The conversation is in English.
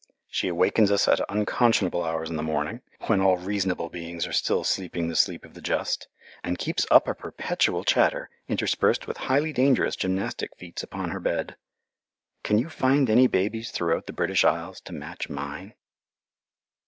She awakens us at unconscionable hours in the morning, when all reasonable beings are still sleeping the sleep of the just, and keeps up a perpetual chatter interspersed with highly dangerous gymnastic feats upon her bed. Can you find any babies throughout the British Isles to match mine?